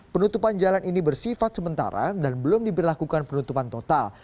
penutupan jalan ini bersifat sementara dan belum diberlakukan penutupan total